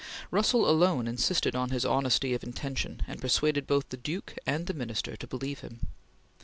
Russell alone insisted on his honesty of intention and persuaded both the Duke and the Minister to believe him.